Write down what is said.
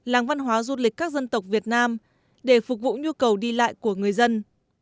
làng văn hóa du lịch các dân tộc việt nam để phục vụ nhu cầu đi lại của người dân